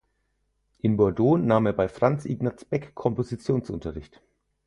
In Bordeaux nahm er bei Franz Ignaz Beck Kompositionsunterricht.